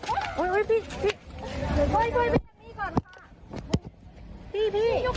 โอ้ยยยพี่พี่